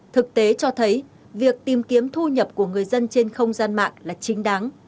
thực tế cho thấy việc tìm kiếm thu nhập của người dân trên không gian mạng là chính đáng